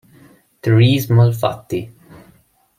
Therese Malfatti